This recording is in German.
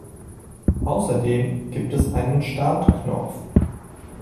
Außerdem gibt es einen „Start“-Knopf.